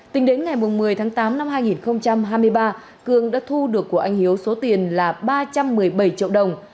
tính đến ngày một mươi tháng tám năm hai nghìn hai mươi ba cương đã thu được của anh hiếu số tiền là ba trăm một mươi bảy triệu đồng